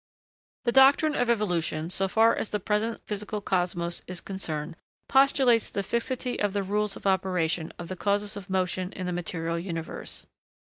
The doctrine of evolution, so far as the present physical cosmos is concerned, postulates the fixity of the rules of operation of the causes of motion in the material universe.